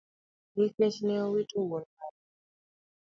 Nikech ne owito wuon pargi.